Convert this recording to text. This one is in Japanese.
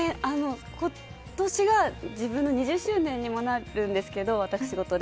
今年が自分の２０周年にもなるんですけど、私事で。